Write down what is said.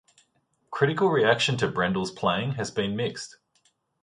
Critical reaction to Brendel's playing has been mixed.